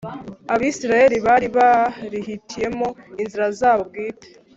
Abisiraheli bari barihitiyemo inzira zabo bwite.